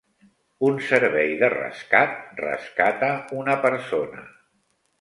Un servei de rescat rescata una persona.